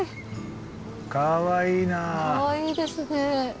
かわいいですね。